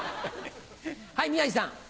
はい宮治さん。